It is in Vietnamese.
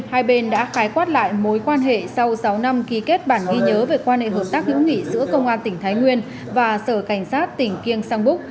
hai bên đã khái quát lại mối quan hệ sau sáu năm ký kết bản ghi nhớ về quan hệ hợp tác hữu nghị giữa công an tỉnh thái nguyên và sở cảnh sát tỉnh kiêng sang búc